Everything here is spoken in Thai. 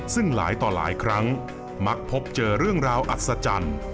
ซึ่งหลายต่อหลายครั้งมักพบเจอเรื่องราวอัศจรรย์